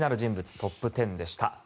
トップ１０でした。